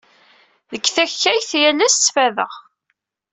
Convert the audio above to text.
Deg takayt, yallas ttfadeɣ.